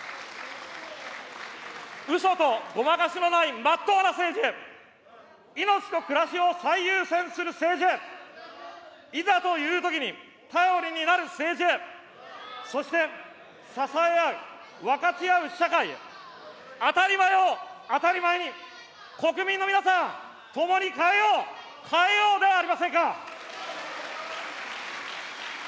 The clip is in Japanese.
うそとごまかしのないまっとうな政治へ、命と暮らしを最優先する政治へ、いざというときに頼りになる政治へ、そして支え合い、分かち合う社会へ、当たり前を当たり前に、国民の皆さん、ともに変えよう、変えようではありませんか。